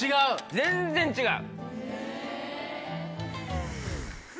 全然違う！